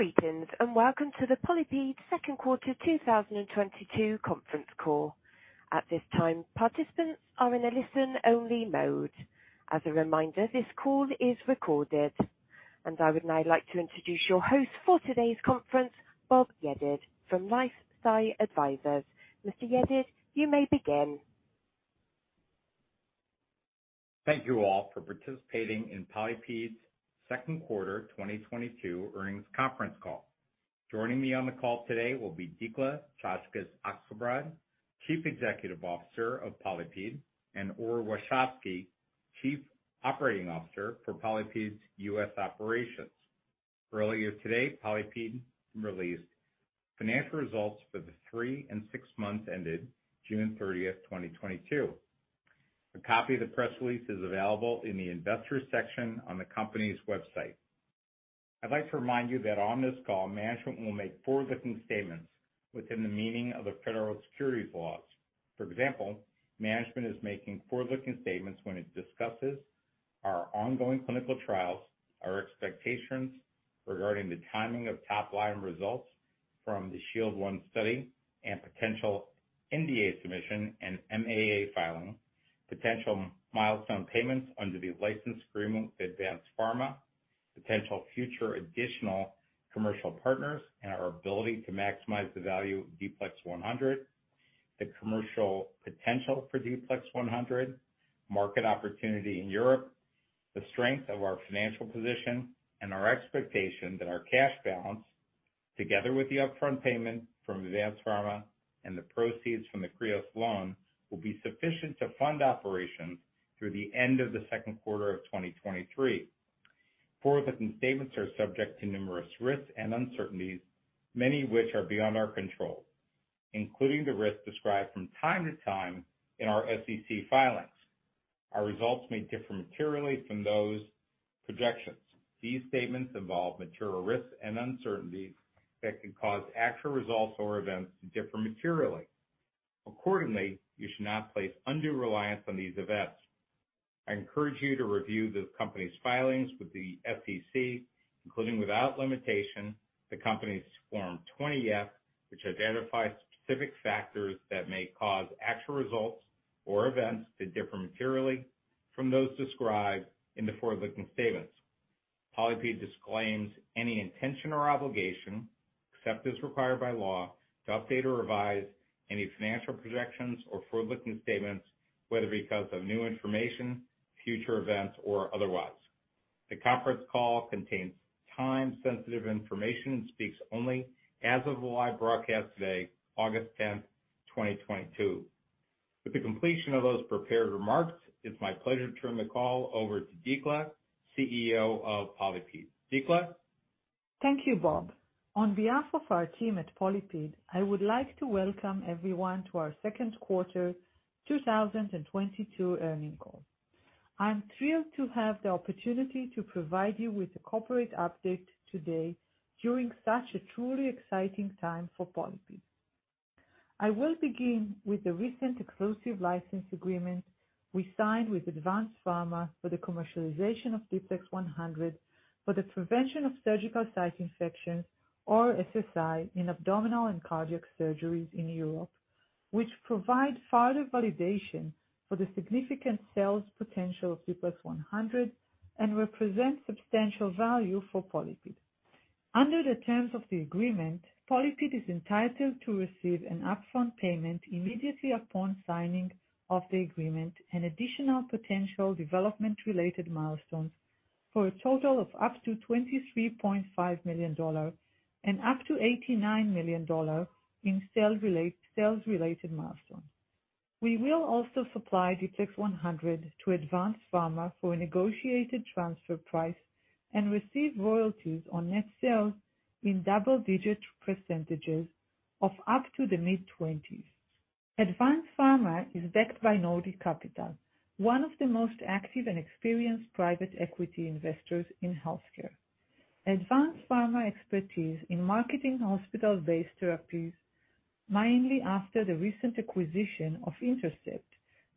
Greetings, and welcome to the PolyPid second quarter 2022 conference call. At this time, participants are in a listen-only mode. As a reminder, this call is recorded. I would now like to introduce your host for today's conference, Bob Yedid, from LifeSci Advisors. Mr. Yedid, you may begin. Thank you all for participating in PolyPid's second quarter 2022 earnings conference call. Joining me on the call today will be Dikla Czaczkes Akselbrad, Chief Executive Officer of PolyPid, and Ori Warshavsky, Chief Operating Officer for PolyPid's US operations. Earlier today, PolyPid released financial results for the three and six months ended June 30, 2022. A copy of the press release is available in the investors section on the company's website. I'd like to remind you that on this call, management will make forward-looking statements within the meaning of the Federal Securities laws. For example, management is making forward-looking statements when it discusses our ongoing clinical trials, our expectations regarding the timing of top-line results from the SHIELD I study and potential NDA submission and MAA filing, potential milestone payments under the license agreement with Advanz Pharma, potential future additional commercial partners, and our ability to maximize the value of D-PLEX100, the commercial potential for D-PLEX100, market opportunity in Europe. The strength of our financial position and our expectation that our cash balance, together with the upfront payment from Advanz Pharma and the proceeds from the Kreos loan, will be sufficient to fund operations through the end of the second quarter of 2023. Forward-looking statements are subject to numerous risks and uncertainties, many which are beyond our control, including the risks described from time to time in our SEC filings. Our results may differ materially from those projections. These statements involve material risks and uncertainties that could cause actual results or events to differ materially. Accordingly, you should not place undue reliance on these events. I encourage you to review the company's filings with the SEC, including without limitation, the company's Form 20-F, which identifies specific factors that may cause actual results or events to differ materially from those described in the forward-looking statements. PolyPid disclaims any intention or obligation, except as required by law, to update or revise any financial projections or forward-looking statements, whether because of new information, future events, or otherwise. The conference call contains time-sensitive information and speaks only as of the live broadcast today, August tenth, 2022. With the completion of those prepared remarks, it's my pleasure to turn the call over to Dikla, CEO of PolyPid. Dikla? Thank you, Bob. On behalf of our team at PolyPid, I would like to welcome everyone to our second quarter 2022 earnings call. I'm thrilled to have the opportunity to provide you with a corporate update today during such a truly exciting time for PolyPid. I will begin with the recent exclusive license agreement we signed with Advanz Pharma for the commercialization of D-PLEX100 for the prevention of surgical site infection, or SSI, in abdominal and cardiac surgeries in Europe, which provide further validation for the significant sales potential of D-PLEX100 and represent substantial value for PolyPid. Under the terms of the agreement, PolyPid is entitled to receive an upfront payment immediately upon signing of the agreement, and additional potential development-related milestones for a total of up to $23.5 million and up to $89 million in sales-related milestones. We will also supply D-PLEX100 to Advanz Pharma for a negotiated transfer price and receive royalties on net sales in double-digit percentages up to the mid-20s. Advanz Pharma is backed by Nordic Capital, one of the most active and experienced private equity investors in healthcare. Advanz Pharma expertise in marketing hospital-based therapies, mainly after the recent acquisition of Intercept,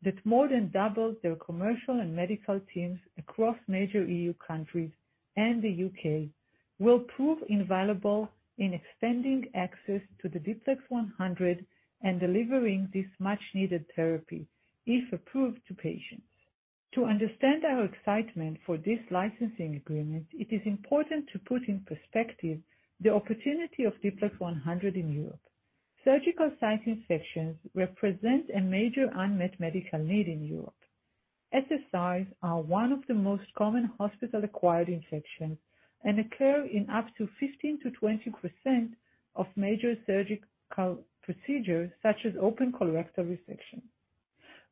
that more than doubled their commercial and medical teams across major EU countries and the U.K., will prove invaluable in extending access to the D-PLEX100 and delivering this much-needed therapy, if approved, to patients. To understand our excitement for this licensing agreement, it is important to put in perspective the opportunity of D-PLEX100 in Europe. Surgical site infections represent a major unmet medical need in Europe. SSIs are one of the most common hospital-acquired infections and occur in up to 15%-20% of major surgical procedures such as open colorectal resection.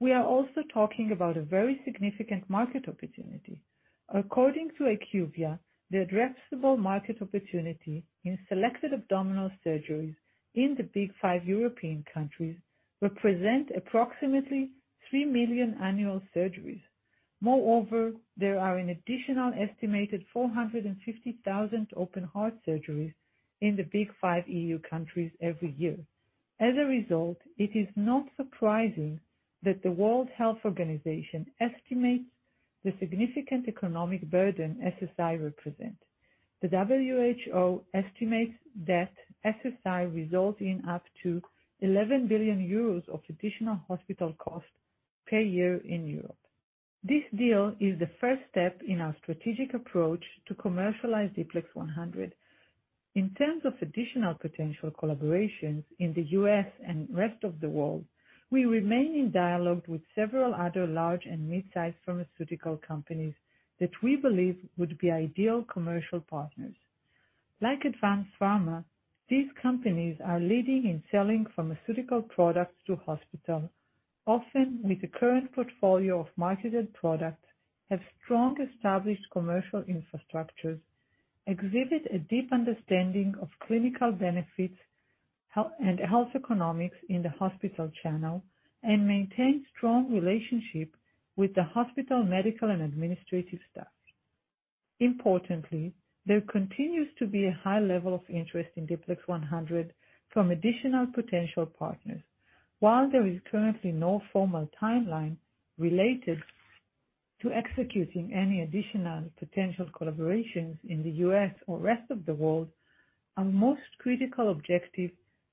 We are also talking about a very significant market opportunity. According to IQVIA, the addressable market opportunity in selected abdominal surgeries in the Big Five European countries represents approximately 3 million annual surgeries. Moreover, there are an additional estimated 450,000 open-heart surgeries in the Big Five EU countries every year. As a result, it is not surprising that the World Health Organization estimates the significant economic burden SSIs represent. The WHO estimates that SSIs result in up to 11 billion euros of additional hospital costs per year in Europe. This deal is the first step in our strategic approach to commercialize D-PLEX100. In terms of additional potential collaborations in the U.S. and rest of the world, we remain in dialogue with several other large and mid-sized pharmaceutical companies that we believe would be ideal commercial partners. Like Advanz Pharma, these companies are leading in selling pharmaceutical products to hospitals, often with the current portfolio of marketed products, have strong established commercial infrastructures, exhibit a deep understanding of clinical benefits, health, and health economics in the hospital channel, and maintain strong relationships with the hospital medical and administrative staff. Importantly, there continues to be a high level of interest in D-PLEX100 from additional potential partners. While there is currently no formal timeline related to executing any additional potential collaborations in the U.S. or rest of the world, our most critical objective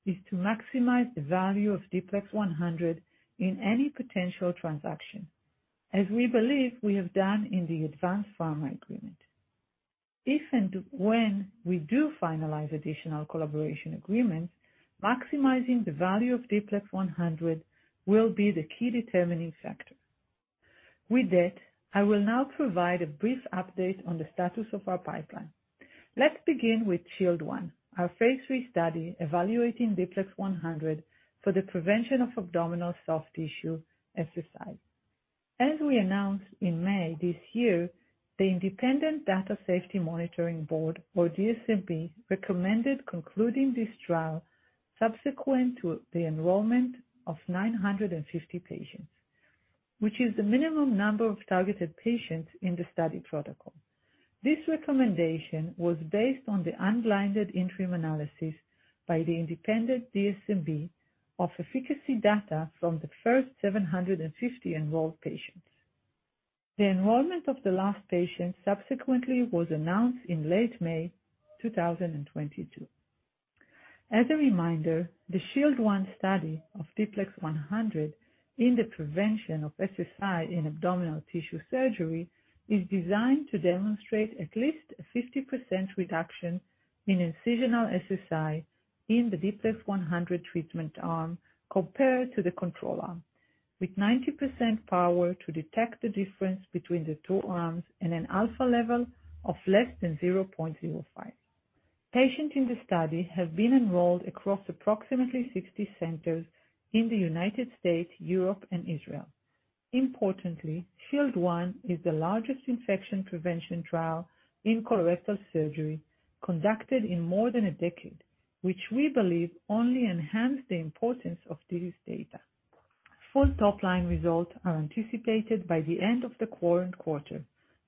is to maximize the value of D-PLEX100 in any potential transaction, as we believe we have done in the Advanz Pharma agreement. If and when we do finalize additional collaboration agreements, maximizing the value of D-PLEX100 will be the key determining factor. With that, I will now provide a brief update on the status of our pipeline. Let's begin with SHIELD I, our phase III study evaluating D-PLEX100 for the prevention of abdominal soft tissue SSI. As we announced in May this year, the Independent Data Safety Monitoring Board, or DSMB, recommended concluding this trial subsequent to the enrollment of 950 patients, which is the minimum number of targeted patients in the study protocol. This recommendation was based on the unblinded interim analysis by the independent DSMB of efficacy data from the first 750 enrolled patients. The enrollment of the last patient subsequently was announced in late May 2022. As a reminder, the SHIELD I study of D-PLEX100 in the prevention of SSI in abdominal tissue surgery is designed to demonstrate at least a 50% reduction in incisional SSI in the D-PLEX100 treatment arm compared to the control arm, with 90% power to detect the difference between the two arms and an alpha level of less than 0.05. Patients in the study have been enrolled across approximately 60 centers in the United States, Europe, and Israel. Importantly, SHIELD I is the largest infection prevention trial in colorectal surgery conducted in more than a decade, which we believe only enhance the importance of these data. Full top-line results are anticipated by the end of the current quarter,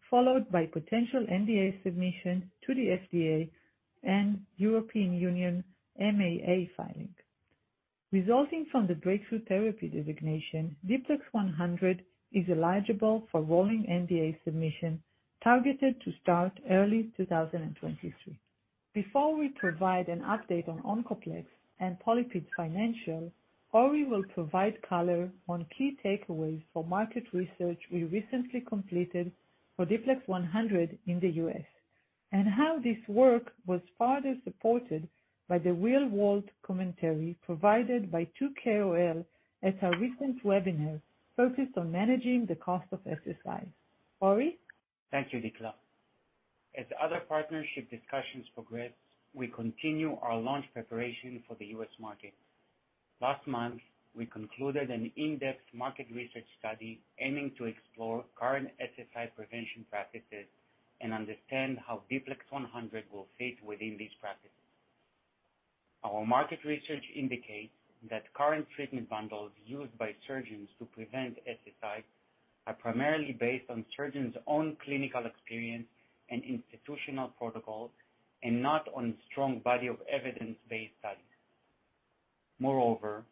followed by potential NDA submission to the FDA and European Union MAA filing. Resulting from the breakthrough therapy designation, D-PLEX100 is eligible for rolling NDA submission targeted to start early 2023. Before we provide an update on OncoPLEX and PolyPid financials, Ori will provide color on key takeaways for market research we recently completed for D-PLEX100 in the U.S., and how this work was further supported by the real-world commentary provided by two KOL at our recent webinar focused on managing the cost of SSI. Ori. Thank you, Dikla. As other partnership discussions progress, we continue our launch preparation for the U.S. market. Last month, we concluded an in-depth market research study aiming to explore current SSI prevention practices and understand how D-PLEX100 will fit within these practices. Our market research indicates that current treatment bundles used by surgeons to prevent SSI are primarily based on surgeons' own clinical experience and institutional protocols and not on strong body of evidence-based studies. Moreover,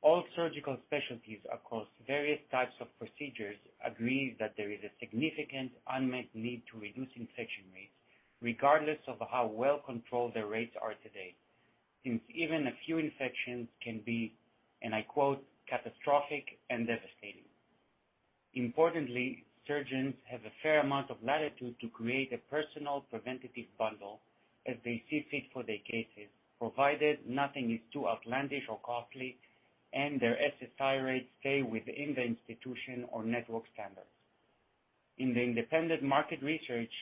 all surgical specialties across various types of procedures agree that there is a significant unmet need to reduce infection rates, regardless of how well-controlled their rates are today, since even a few infections can be, and I quote, "catastrophic and devastating." Importantly, surgeons have a fair amount of latitude to create a personal preventative bundle as they see fit for their cases, provided nothing is too outlandish or costly, and their SSI rates stay within the institution or network standards. In the independent market research,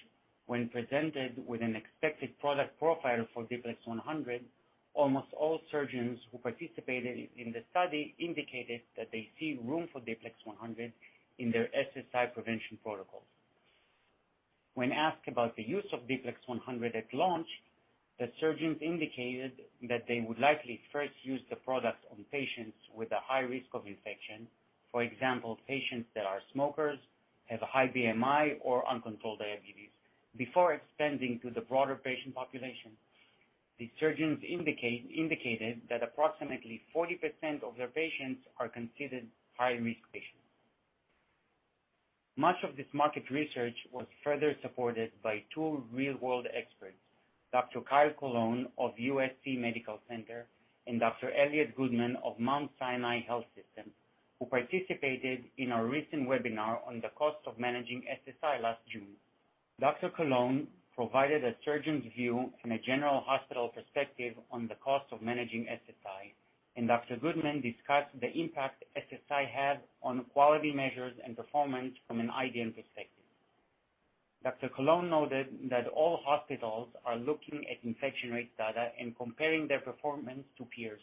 when presented with an expected product profile for D-PLEX 100, almost all surgeons who participated in the study indicated that they see room for D-PLEX 100 in their SSI prevention protocols. When asked about the use of D-PLEX 100 at launch, the surgeons indicated that they would likely first use the product on patients with a high risk of infection. For example, patients that are smokers, have a high BMI or uncontrolled diabetes, before expanding to the broader patient population. The surgeons indicated that approximately 40% of their patients are considered high-risk patients. Much of this market research was further supported by two real-world experts, Dr. Kyle Cologne of USC Medical Center and Dr. Elliot Goodman of Mount Sinai Health System, who participated in our recent webinar on the cost of managing SSI last June. Dr. Cologne provided a surgeon's view from a general hospital perspective on the cost of managing SSI, and Dr. Goodman discussed the impact SSI has on quality measures and performance from an IDN perspective. Dr. Cologne noted that all hospitals are looking at infection rate data and comparing their performance to peers.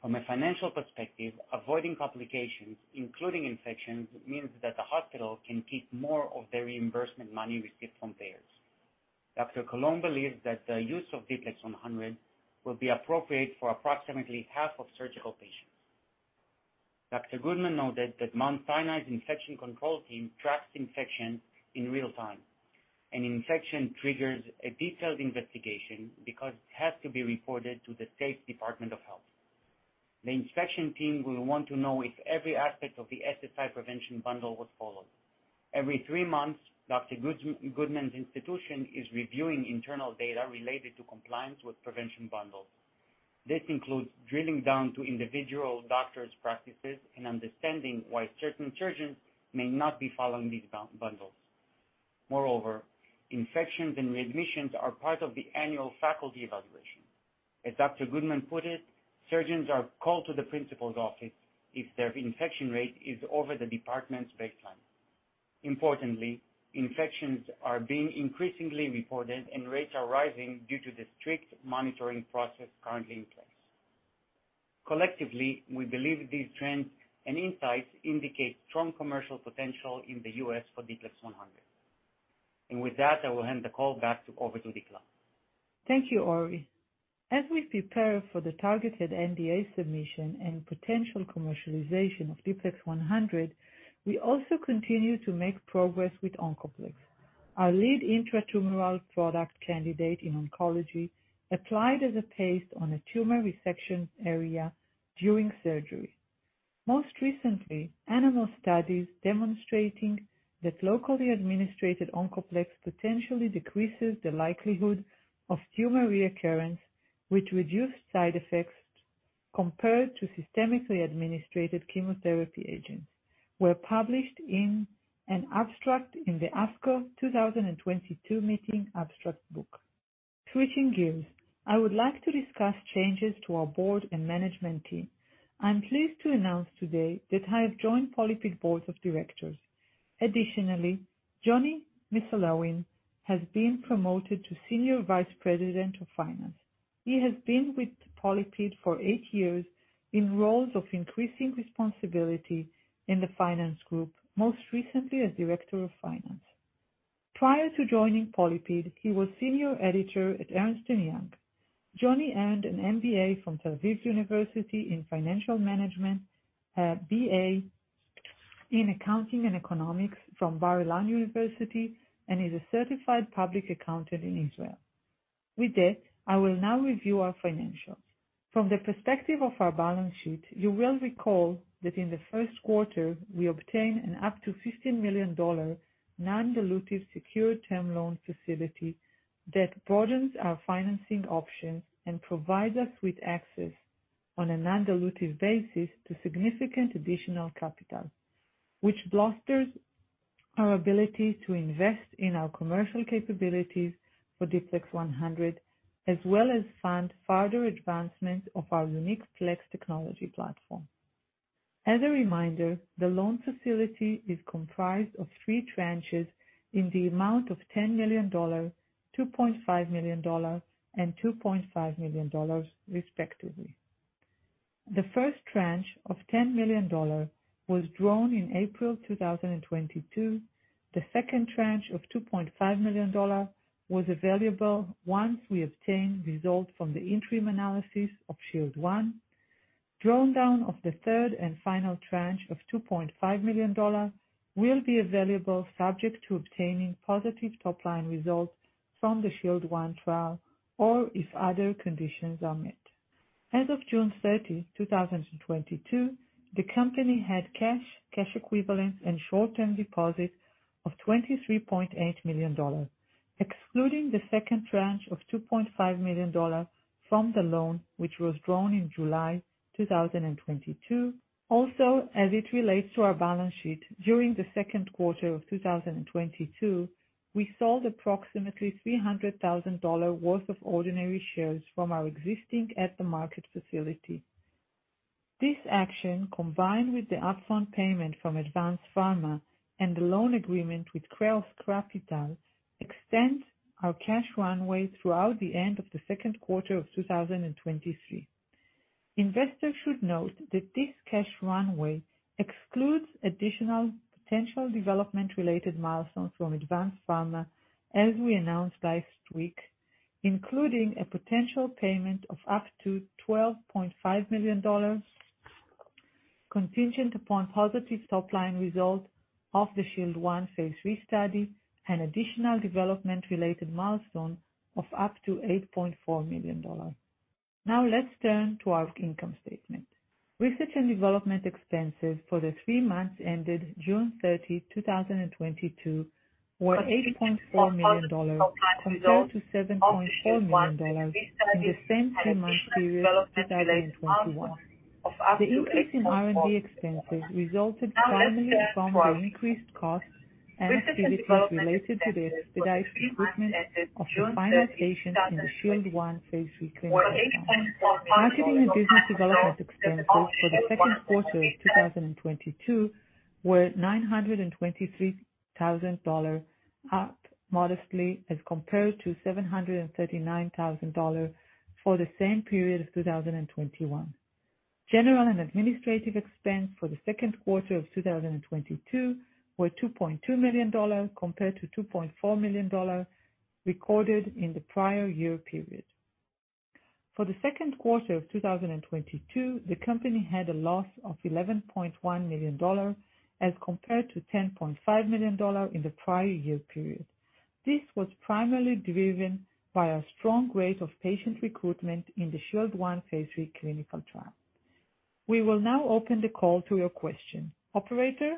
From a financial perspective, avoiding complications, including infections, means that the hospital can keep more of their reimbursement money received from payers. Dr. Colon believes that the use of D-PLEX100 will be appropriate for approximately half of surgical patients. Dr. Goodman noted that Mount Sinai's infection control team tracks infection in real time, and infection triggers a detailed investigation because it has to be reported to the State Department of Health. The inspection team will want to know if every aspect of the SSI prevention bundle was followed. Every three months, Dr. Goodman's institution is reviewing internal data related to compliance with prevention bundles. This includes drilling down to individual doctors' practices and understanding why certain surgeons may not be following these bundles. Moreover, infections and readmissions are part of the annual faculty evaluation. As Dr. Goodman put it, surgeons are called to the principal's office if their infection rate is over the department's baseline. Importantly, infections are being increasingly reported and rates are rising due to the strict monitoring process currently in place. Collectively, we believe these trends and insights indicate strong commercial potential in the U.S. for D-PLEX100. With that, I will hand the call over to Dikla. Thank you, Ori. As we prepare for the targeted NDA submission and potential commercialization of D-PLEX100, we also continue to make progress with OncoPLEX, our lead intra-tumoral product candidate in oncology, applied as a paste on a tumor resection area during surgery. Most recently, animal studies demonstrating that locally administered OncoPLEX potentially decreases the likelihood of tumor recurrence, which reduce side effects compared to systemically administered chemotherapy agents, were published in an abstract in the ASCO 2022 meeting abstract book. Switching gears, I would like to discuss changes to our board and management team. I'm pleased to announce today that I have joined PolyPid board of directors. Additionally, Jonny Missulawin has been promoted to Senior Vice President of Finance. He has been with PolyPid for eight years in roles of increasing responsibility in the finance group, most recently as Director of Finance. Prior to joining PolyPid, he was senior editor at Ernst & Young. Jonny earned an MBA from Tel Aviv University in Financial Management, a BA in Accounting and Economics from Bar-Ilan University, and is a certified public accountant in Israel. With that, I will now review our financials. From the perspective of our balance sheet, you will recall that in the first quarter we obtained an up to $15 million non-dilutive secured term loan facility that broadens our financing options and provides us with access on a non-dilutive basis to significant additional capital, which bolsters our ability to invest in our commercial capabilities for D-PLEX100, as well as fund further advancement of our unique PLEX technology platform. As a reminder, the loan facility is comprised of three tranches in the amount of $10 million, $2.5 million, and $2.5 million, respectively. The first tranche of $10 million was drawn in April 2022. The second tranche of $2.5 million was available once we obtained results from the interim analysis of SHIELD I. Drawn down of the third and final tranche of $2.5 million will be available subject to obtaining positive top-line results from the SHIELD I trial or if other conditions are met. As of June 30, 2022, the company had cash equivalents and short-term deposits of $23.8 million, excluding the second tranche of $2.5 million from the loan, which was drawn in July 2022. As it relates to our balance sheet, during the second quarter of 2022, we sold approximately $300,000 worth of ordinary shares from our existing at the market facility. This action, combined with the upfront payment from Advanz Pharma and the loan agreement with Kreos Capital, extends our cash runway throughout the end of the second quarter of 2023. Investors should note that this cash runway excludes additional potential development-related milestones from Advanz Pharma, as we announced last week, including a potential payment of up to $12.5 million contingent upon positive top line result of the SHIELD I phase III study and additional development related milestone of up to $8.4 million. Now let's turn to our income statement. Research and development expenses for the three months ended June 30, 2022 were $8.4 million compared to $7.4 million in the same three-month period in 2021. The increase in R&D expenses resulted primarily from the increased costs and activities related to the accelerated recruitment of the final patients in the SHIELD I phase III clinical trial. Marketing and business development expenses for the second quarter of 2022 were $923 thousand, up modestly as compared to $739 thousand for the same period of 2021. General and administrative expense for the second quarter of 2022 were $2.2 million compared to $2.4 million recorded in the prior year period. For the second quarter of 2022, the company had a loss of $11.1 million as compared to $10.5 million in the prior year period. This was primarily driven by our strong rate of patient recruitment in the SHIELD I phase III clinical trial. We will now open the call to your questions. Operator?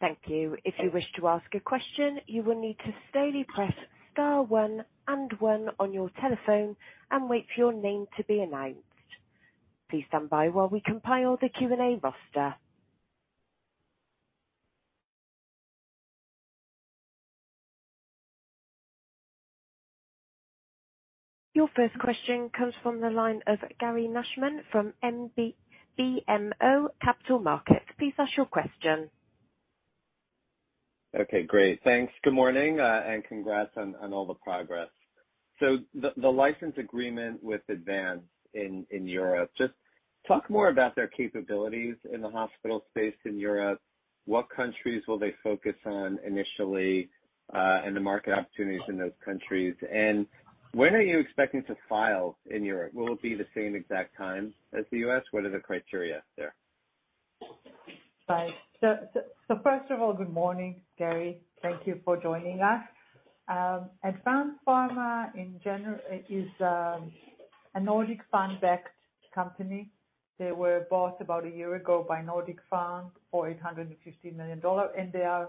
Thank you. If you wish to ask a question, you will need to steadily press star one and one on your telephone and wait for your name to be announced. Please stand by while we compile the Q&A roster. Your first question comes from the line of Gary Nachman from BMO Capital Markets. Please ask your question. Okay, great. Thanks. Good morning, and congrats on all the progress. The license agreement with Advanz in Europe, just talk more about their capabilities in the hospital space in Europe. What countries will they focus on initially, and the market opportunities in those countries? When are you expecting to file in Europe? Will it be the same exact time as the U.S.? What are the criteria there? First of all, good morning, Gary. Thank you for joining us. Advanz Pharma is a Nordic Capital-backed company. They were bought about a year ago by Nordic Capital for $850 million, and they are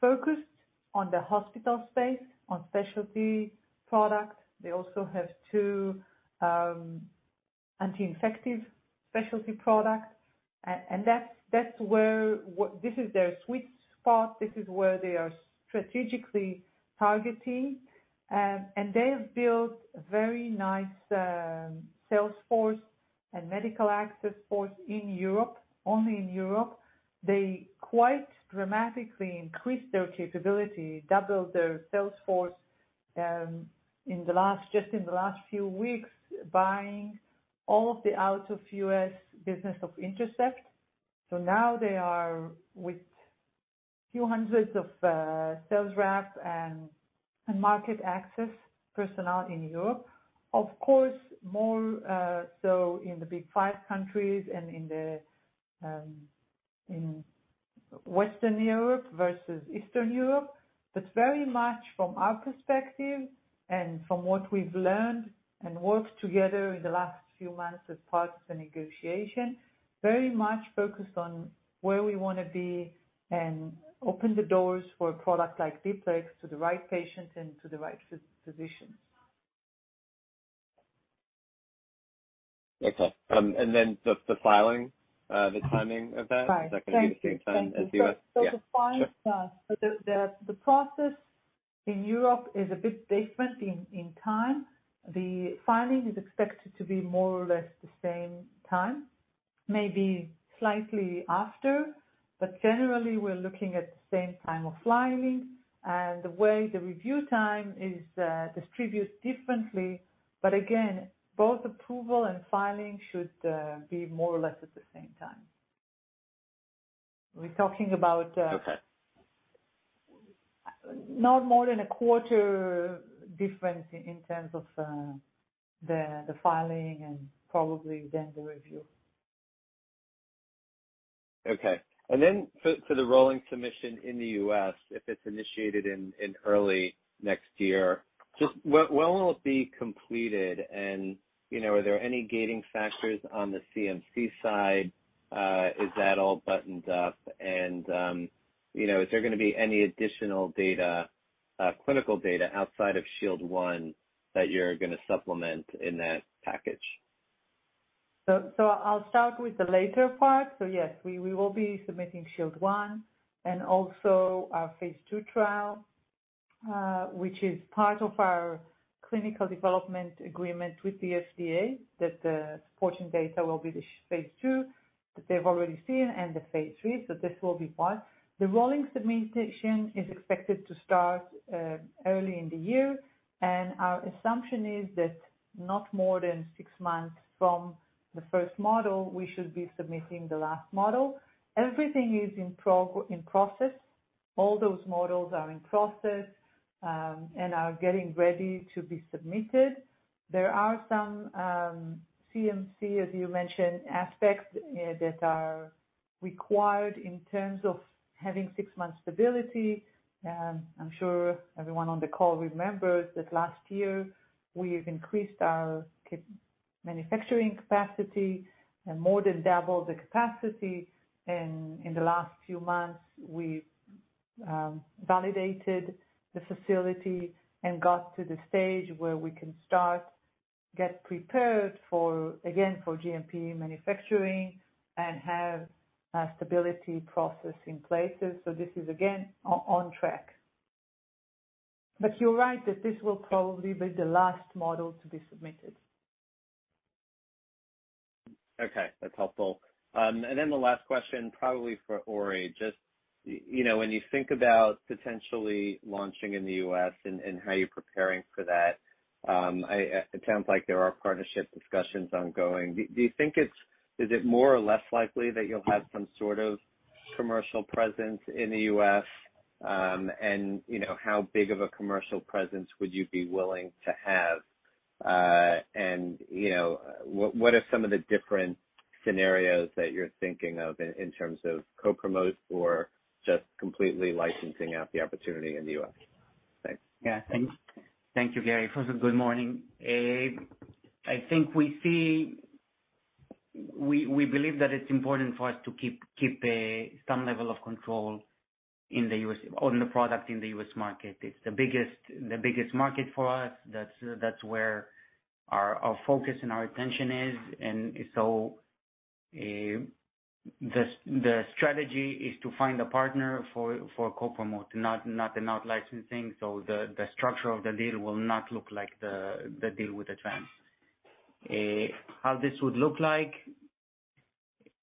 focused on the hospital space on specialty products. They also have two anti-infective specialty products. That's where this is their sweet spot. This is where they are strategically targeting. They've built a very nice sales force and market access force in Europe, only in Europe. They quite dramatically increased their capability, doubled their sales force in the last few weeks, buying all of the out-of-U.S. business of Intercept Pharmaceuticals. Now they are with a few hundred sales reps and market access personnel in Europe. Of course, more so in the Big Five countries and in Western Europe versus Eastern Europe. Very much from our perspective and from what we've learned and worked together in the last few months as part of the negotiation, very much focused on where we wanna be and open the doors for a product like D-PLEX to the right patients and to the right physicians. Okay. The filing, the timing of that. Right. Thank you. Is that gonna be the same time as the U.S.? Yeah. The filing process in Europe is a bit different in time. The filing is expected to be more or less the same time, maybe slightly after, but generally we're looking at the same time of filing and the way the review time is distributed differently. Again, both approval and filing should be more or less at the same time. We're talking about- Okay. Not more than a quarter difference in terms of the filing and probably then the review. Okay. For the rolling submission in the U.S., if it's initiated in early next year, just when will it be completed? You know, are there any gating factors on the CMC side? Is that all buttoned up? You know, is there gonna be any additional data, clinical data outside of SHIELD I that you're gonna supplement in that package? I'll start with the latter part. Yes, we will be submitting SHIELD I and also our phase II trial, which is part of our clinical development agreement with the FDA, that the supporting data will be the phase II that they've already seen and the phase III. This will be part. The rolling submission is expected to start early in the year, and our assumption is that not more than six months from the first module, we should be submitting the last module. Everything is in process. All those modules are in process and are getting ready to be submitted. There are some CMC, as you mentioned, aspects that are required in terms of having six months stability. I'm sure everyone on the call remembers that last year we increased our manufacturing capacity and more than doubled the capacity. In the last few months we validated the facility and got to the stage where we can start get prepared for, again, for GMP manufacturing and have a stability process in place. This is again on track. You're right that this will probably be the last model to be submitted. Okay, that's helpful. The last question, probably for Ori. Just, you know, when you think about potentially launching in the U.S. and how you're preparing for that, it sounds like there are partnership discussions ongoing. Do you think it's more or less likely that you'll have some sort of commercial presence in the U.S.? You know, how big of a commercial presence would you be willing to have? You know, what are some of the different scenarios that you're thinking of in terms of co-promote or just completely licensing out the opportunity in the U.S.? Thanks. Thank you, Gary. First off, good morning. I think we believe that it's important for us to keep some level of control in the U.S. on the product in the U.S. market. It's the biggest market for us. That's where our focus and our attention is. The strategy is to find a partner for co-promote, not an out-licensing. The structure of the deal will not look like the deal with Advanz. How this would look like?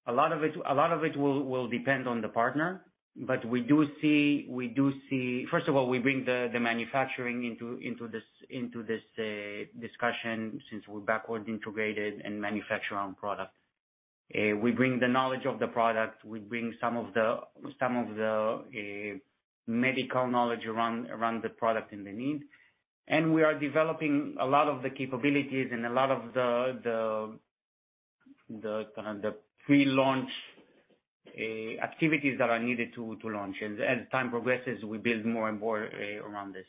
A lot of it will depend on the partner. But we do see. First of all, we bring the manufacturing into this discussion since we're backward integrated and manufacture our own product. We bring the knowledge of the product. We bring some of the medical knowledge around the product and the need. We are developing a lot of the capabilities and a lot of the pre-launch activities that are needed to launch. As time progresses, we build more and more around this.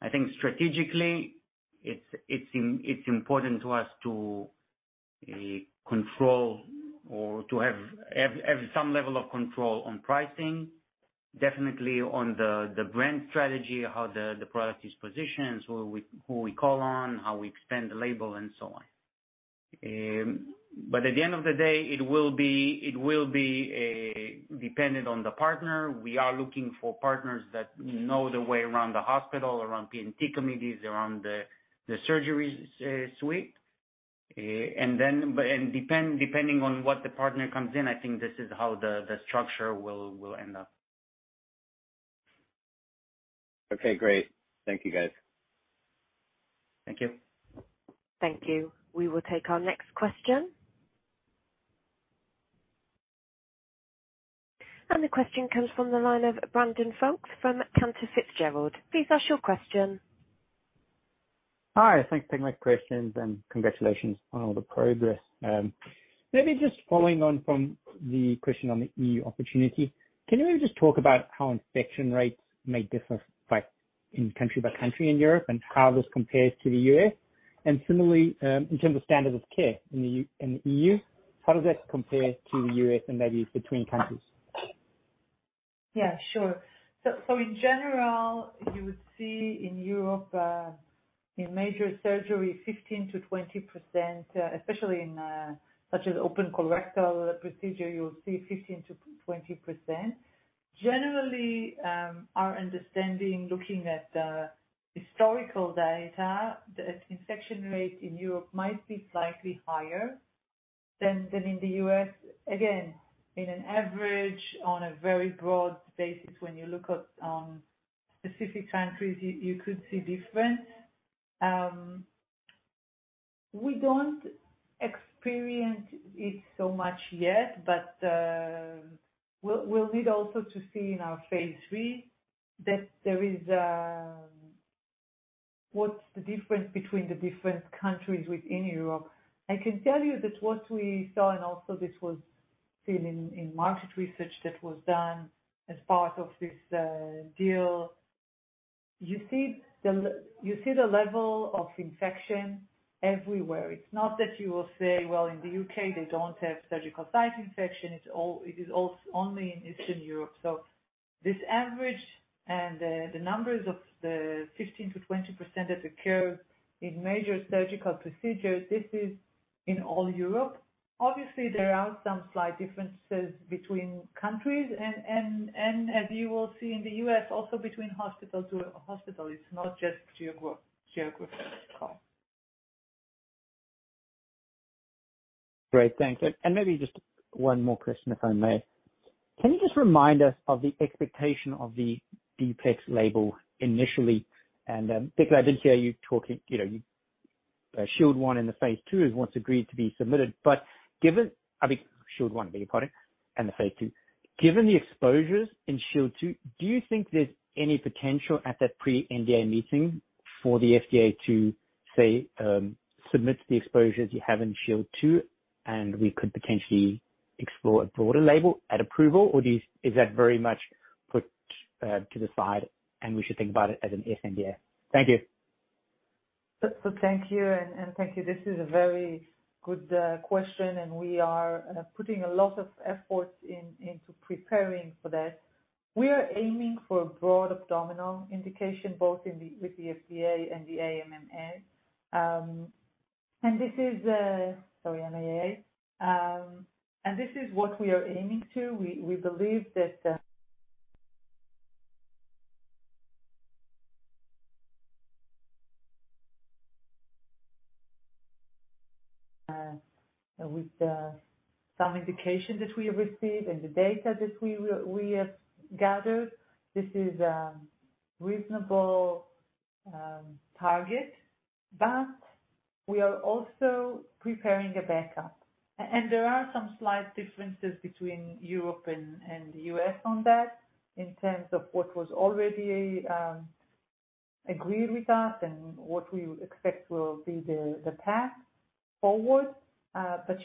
I think strategically it's important to us to control or to have some level of control on pricing. Definitely on the brand strategy, how the product is positioned, so who we call on, how we extend the label and so on. At the end of the day, it will be dependent on the partner. We are looking for partners that know the way around the hospital, around P&T committees, around the surgery suite. Depending on what the partner comes in, I think this is how the structure will end up. Okay, great. Thank you, guys. Thank you. Thank you. We will take our next question. The question comes from the line of Brandon Folkes from Cantor Fitzgerald. Please ask your question. Hi, thanks for taking my questions, and congratulations on all the progress. Maybe just following on from the question on the E.U. opportunity. Can you just talk about how infection rates may differ by country by country in Europe and how this compares to the U.S.? Similarly, in terms of standard of care in the E.U., how does that compare to the U.S. and maybe between countries? Yeah, sure. In general, you would see in Europe, in major surgery 15%-20%, especially in such as open colorectal procedure, you'll see 15%-20%. Generally, our understanding, looking at the historical data, that infection rate in Europe might be slightly higher than in the U.S.. Again, in an average, on a very broad basis, when you look at specific countries, you could see difference. We don't experience it so much yet, but we'll need also to see in our phase III that there is what's the difference between the different countries within Europe. I can tell you that what we saw, and also this was seen in market research that was done as part of this deal. You see the level of infection everywhere. It's not that you will say, "Well, in the U.K. they don't have surgical site infection. It's all only in Eastern Europe." This average and the numbers of the 15%-20% that occur in major surgical procedures, this is in all Europe. Obviously, there are some slight differences between countries and as you will see in the U.S. also between hospital to hospital. It's not just geographical. Great. Thanks. Maybe just one more question, if I may. Can you just remind us of the expectation of the D-PLEX label initially? Particularly I did hear you talking, you know. SHIELD I and the Phase II is once agreed to be submitted. I mean, SHIELD I, beg your pardon, and the Phase II. Given the exposures in SHIELD II, do you think there's any potential at that pre-NDA meeting for the FDA to say, submit the exposures you have in SHIELD II, and we could potentially explore a broader label at approval? Or is that very much put to the side and we should think about it as an sNDA? Thank you. Thank you and thank you. This is a very good question, and we are putting a lot of efforts into preparing for that. We are aiming for a broad abdominal indication, both with the FDA and the EMA. Sorry, MAA. This is what we are aiming to. We believe that with some indication that we have received and the data that we have gathered, this is a reasonable target. We are also preparing a backup. And there are some slight differences between Europe and the U.S. on that in terms of what was already agreed with us and what we expect will be the path forward.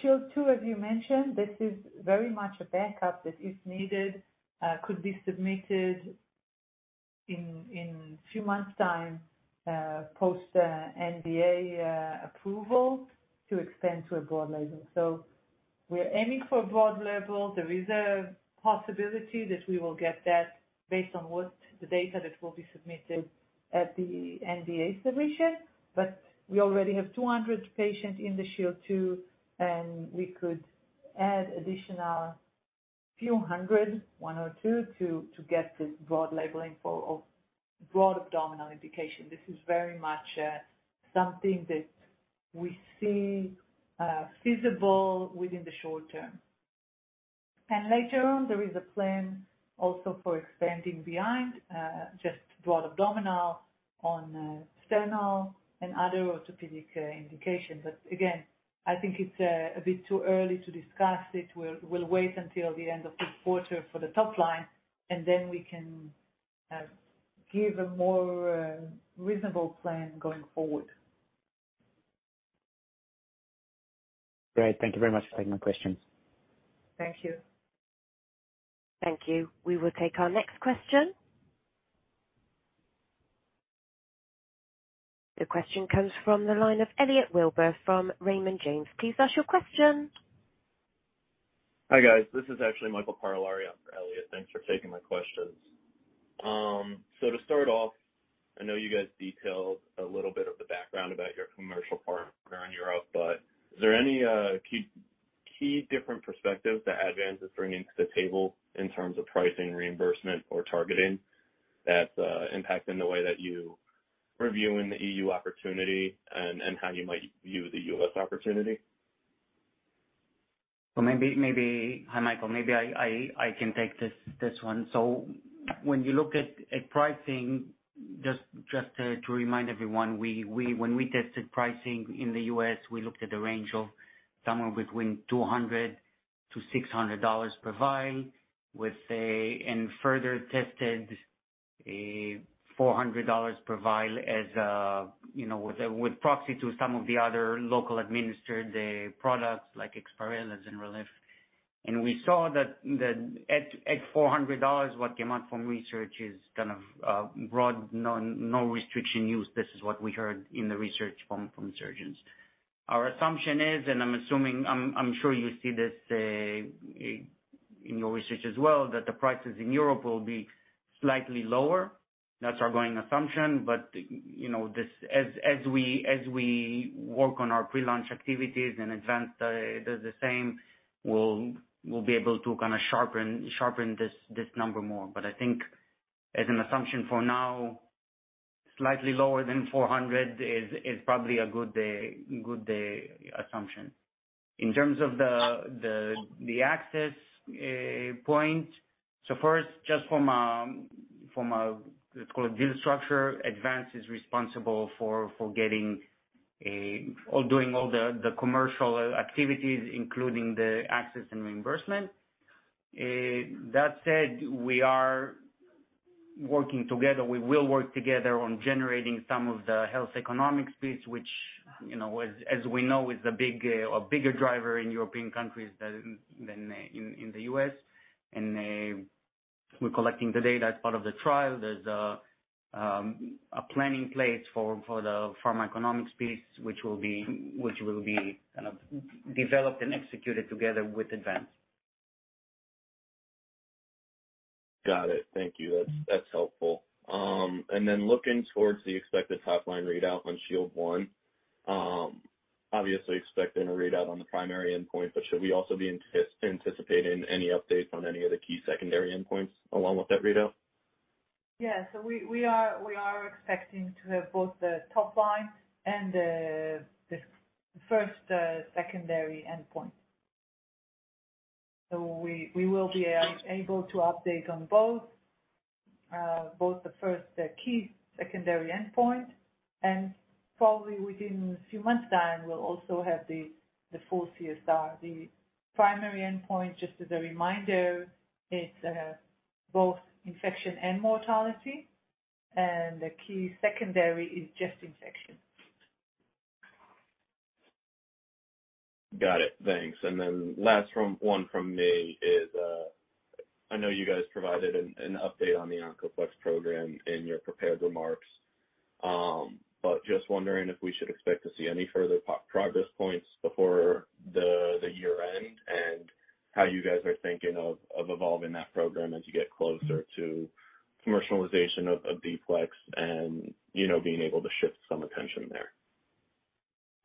SHIELD II, as you mentioned, this is very much a backup that, if needed, could be submitted in few months' time, post NDA approval to expand to a broad label. We're aiming for a broad label. There is a possibility that we will get that based on what the data that will be submitted at the NDA submission. We already have 200 patients in the SHIELD II, and we could add additional few hundred, one or two, to get this broad labeling for a broad abdominal indication. This is very much something that we see feasible within the short term. Later on, there is a plan also for expanding beyond just broad abdominal on sternal and other orthopedic indications. Again, I think it's a bit too early to discuss it. We'll wait until the end of this quarter for the top line, and then we can give a more reasonable plan going forward. Great. Thank you very much for taking my questions. Thank you. Thank you. We will take our next question. The question comes from the line of Elliot Wilbur from Raymond James. Please ask your question. Hi, guys. This is actually Michael Parolari in for Elliot. Thanks for taking my questions. To start off, I know you guys detailed a little bit of the background about your commercial partner in Europe, but is there any key different perspective that Advanz is bringing to the table in terms of pricing, reimbursement or targeting that's impacting the way that you view the EU opportunity and how you might view the U.S. opportunity? Maybe Hi, Michael. I can take this one. When you look at pricing, to remind everyone, when we tested pricing in the U.S., we looked at a range of somewhere between $200-$600 per vial with a and further tested $400 per vial as you know, with proxy to some of the other locally administered products like EXPAREL and Zynrelef. We saw that at $400, what came out from research is kind of broad no restriction use. This is what we heard in the research from surgeons. Our assumption is, I'm assuming I'm sure you see this in your research as well, that the prices in Europe will be slightly lower. That's our going assumption. You know, this as we work on our pre-launch activities and advance the same, we'll be able to kinda sharpen this number more. I think as an assumption for now, slightly lower than 400 is probably a good assumption. In terms of the access point, so first, just from a let's call it deal structure, Advanz is responsible for getting a or doing all the commercial activities, including the access and reimbursement. That said, we are working together. We will work together on generating some of the health economics piece, which, you know, as we know, is a bigger driver in European countries than in the US. We're collecting the data as part of the trial. There's a planning phase for the pharmacoeconomics piece, which will be kind of developed and executed together with Advanz Pharma. Got it. Thank you. That's helpful. Looking towards the expected top-line readout on SHIELD I, obviously expecting a readout on the primary endpoint, but should we also be anticipating any updates on any of the key secondary endpoints along with that readout? Yeah. We are expecting to have both the top line and the first secondary endpoint. We will be able to update on both the first key secondary endpoint and probably within a few months time, we'll also have the full CSR. The primary endpoint, just as a reminder, it's both infection and mortality, and the key secondary is just infection. Got it. Thanks. Last one from me is, I know you guys provided an update on the OncoPLEX program in your prepared remarks. Just wondering if we should expect to see any further progress points before the year-end, and how you guys are thinking of evolving that program as you get closer to commercialization of D-PLEX and, you know, being able to shift some attention there.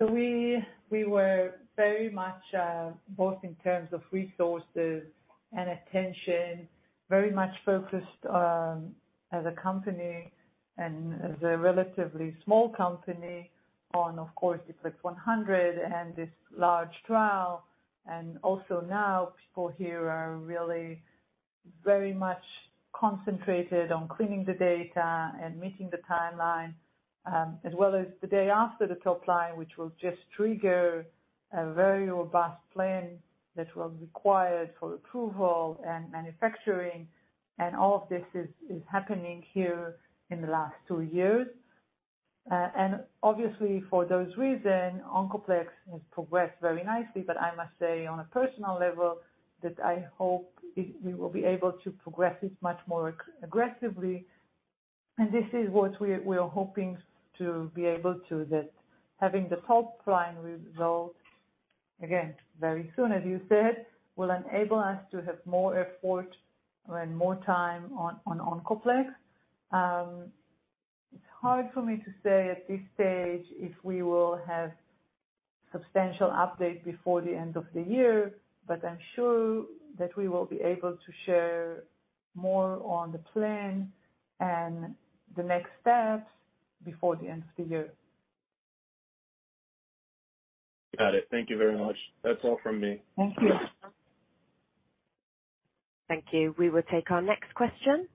We were very much both in terms of resources and attention very much focused as a company and as a relatively small company on, of course, D-PLEX100 and this large trial, and also now people here are really very much concentrated on cleaning the data and meeting the timeline, as well as the day after the top line, which will just trigger a very robust plan that will require for approval and manufacturing. All of this is happening here in the last two years. Obviously for those reasons, OncoPLEX has progressed very nicely. I must say on a personal level that I hope we will be able to progress it much more aggressively. This is what we're hoping to be able to, that having the top-line results, again, very soon, as you said, will enable us to have more effort and more time on OncoPLEX. It's hard for me to say at this stage if we will have substantial update before the end of the year, but I'm sure that we will be able to share more on the plan and the next steps before the end of the year. Got it. Thank you very much. That's all from me. Thank you. Thank you. We will take our next question.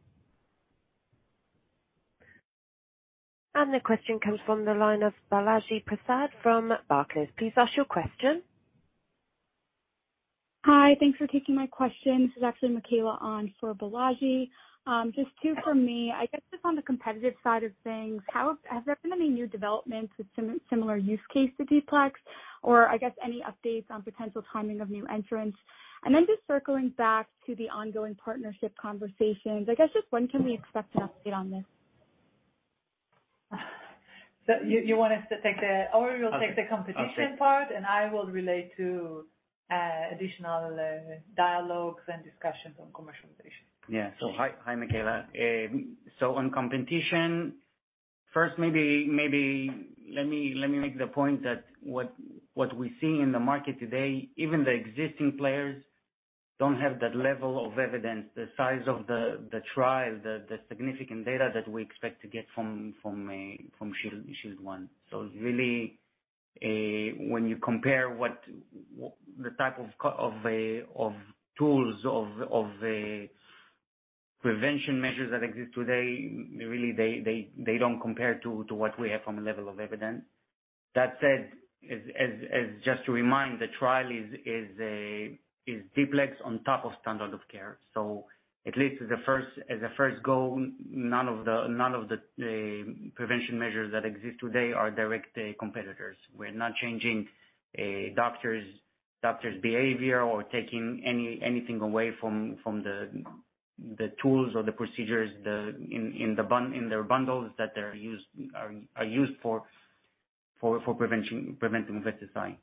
The question comes from the line of Balaji Prasad from Barclays. Please ask your question. Hi. Thanks for taking my question. This is actually Michaela on for Balaji. Just two from me. I guess just on the competitive side of things, how have there been any new developments with similar use case to D-PLEX? Or I guess any updates on potential timing of new entrants. Then just circling back to the ongoing partnership conversations, I guess just when can we expect an update on this? Ori will take the competition part, and I will relate to additional dialogues and discussions on commercialization. Yeah. Hi, Michaela. On competition, first maybe let me make the point that what we see in the market today, even the existing players don't have that level of evidence, the size of the trial, the significant data that we expect to get from SHIELD I. Really, when you compare what the type of prevention measures that exist today, really they don't compare to what we have from a level of evidence. That said, as just to remind, the trial is D-PLEX on top of standard of care. At least as a first go, none of the prevention measures that exist today are direct competitors. We're not changing a doctor's behavior or taking anything away from the tools or the procedures in their bundles that are used for preventing SSI.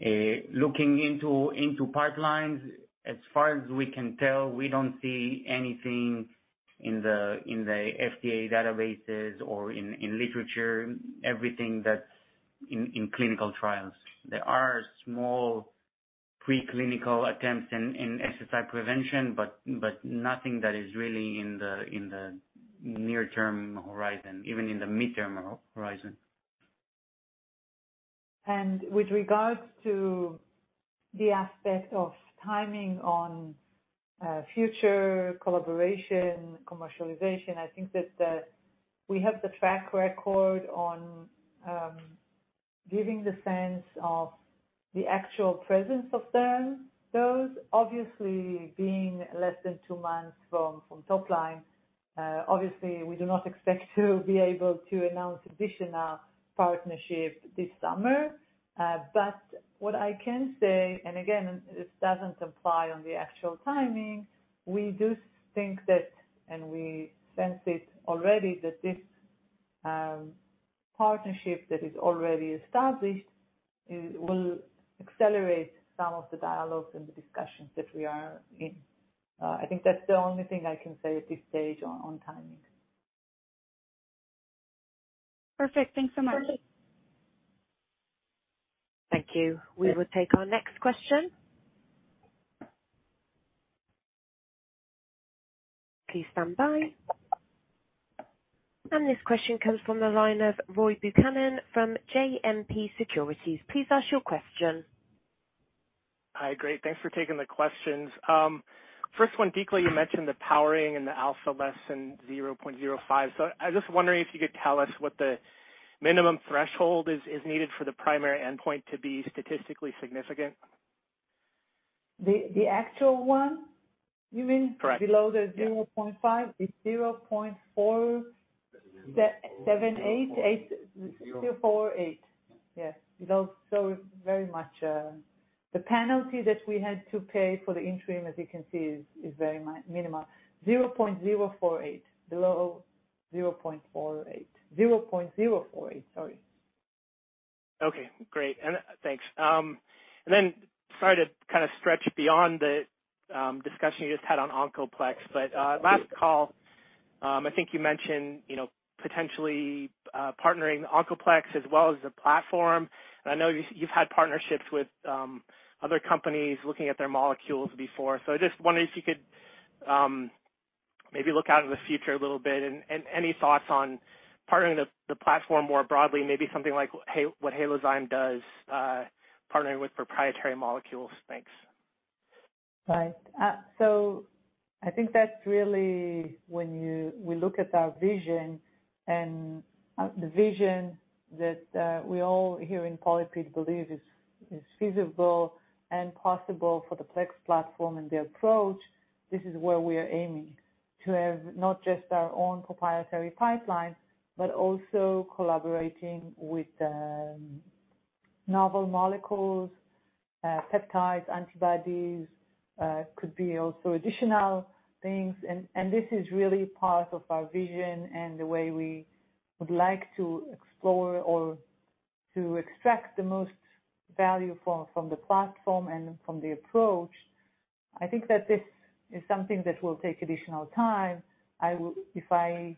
Looking into pipelines, as far as we can tell, we don't see anything in the FDA databases or in literature, everything that's in clinical trials. There are small pre-clinical attempts in SSI prevention, but nothing that is really in the near-term horizon, even in the mid-term horizon. With regards to the aspect of timing on future collaboration, commercialization, I think that we have the track record on giving the sense of the actual presence of those. Obviously being less than two months from top line, obviously we do not expect to be able to announce additional partnership this summer. What I can say, and again, this doesn't apply on the actual timing, we do think that, and we sense it already that this partnership that is already established will accelerate some of the dialogues and the discussions that we are in. I think that's the only thing I can say at this stage on timing. Perfect. Thanks so much. Okay. Thank you. We will take our next question. Please stand by. This question comes from the line of Roy Buchanan from JMP Securities. Please ask your question. Thanks for taking the questions. First one, Dikla, you mentioned the powering and the alpha less than 0.05. I'm just wondering if you could tell us what the minimum threshold is needed for the primary endpoint to be statistically significant. The actual one, you mean? Correct. Below the 0.5? It's 0.4788. Zero. 0.048. Yes. Very much, the penalty that we had to pay for the interim, as you can see, is very minimal. 0.048. Below 0.048. 0.048, sorry. Okay, great. Thanks. Sorry to kinda stretch beyond the discussion you just had on OncoPLEX, but last call, I think you mentioned, you know, potentially partnering OncoPLEX as well as the platform. I know you've had partnerships with other companies looking at their molecules before. I just wondered if you could maybe look out in the future a little bit and any thoughts on partnering the platform more broadly, maybe something like, hey, what Halozyme does, partnering with proprietary molecules. Thanks. Right. I think that's really when we look at our vision and the vision that we all here in PolyPid believe is feasible and possible for the PLEX platform and the approach, this is where we are aiming. To have not just our own proprietary pipeline, but also collaborating with novel molecules, peptides, antibodies, could be also additional things. This is really part of our vision and the way we would like to explore or to extract the most value from the platform and from the approach. I think that this is something that will take additional time. If I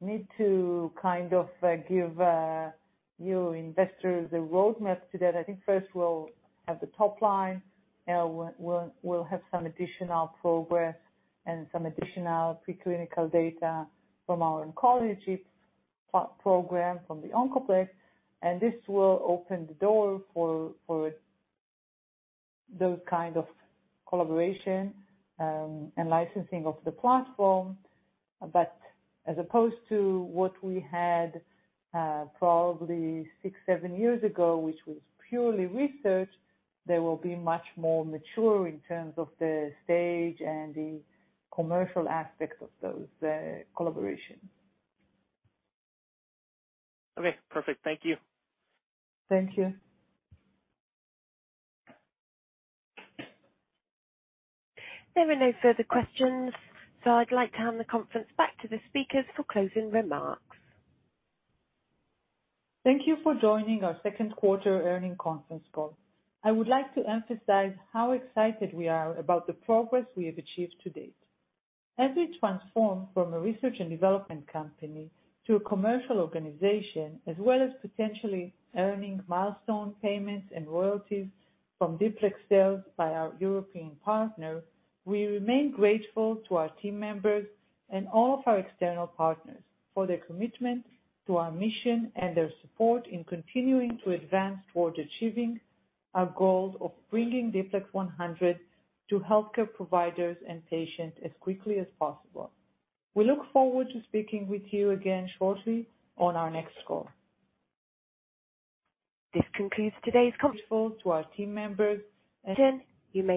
need to kind of give you investors the roadmap to that, I think first we'll have the top line. We'll have some additional progress and some additional preclinical data from our oncology program, from the OncoPLEX, and this will open the door for those kinds of collaborations and licensing of the platform. As opposed to what we had probably six, seven years ago, which was purely research, they will be much more mature in terms of the stage and the commercial aspects of those collaborations. Okay, perfect. Thank you. Thank you. There are no further questions, so I'd like to hand the conference back to the speakers for closing remarks. Thank you for joining our second quarter earnings conference call. I would like to emphasize how excited we are about the progress we have achieved to date. As we transform from a research and development company to a commercial organization, as well as potentially earning milestone payments and royalties from D-PLEX sales by our European partner, we remain grateful to our team members and all of our external partners for their commitment to our mission and their support in continuing to advance toward achieving our goals of bringing D-PLEX100 to healthcare providers and patients as quickly as possible. We look forward to speaking with you again shortly on our next call. This concludes today's conference call.